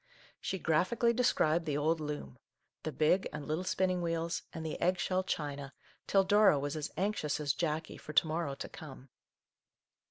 She graphically de scribed the old loom, the big and little spin bur Little Canadian Cousin 103 ning wheels, and the egg shell china, till Dora was as anxious as Jackie for to morrow to come.